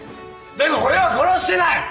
でも俺は殺してない！